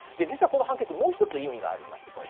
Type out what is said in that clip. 実はこの判決、もう一つ意味があります。